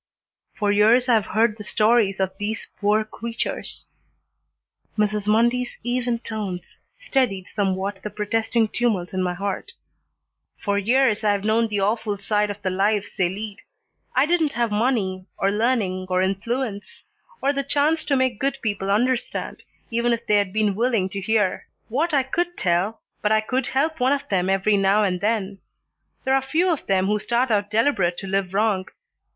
"For years I've heard the stories of these poor creatures." Mrs. Mundy's even tones steadied somewhat the protesting tumult in my heart. "For years I've known the awful side of the lives they lead. I didn't have money or learning or influence, or the chance to make good people understand, even if they'd been willing to hear, what I could tell, but I could help one of them every now and then. There 're few of them who start out deliberate to live wrong.